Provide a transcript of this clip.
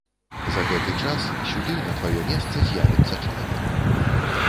За гэты час сюды на тваё месца з'явіцца чалавек.